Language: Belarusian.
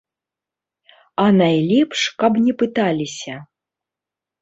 А найлепш, каб не пыталіся.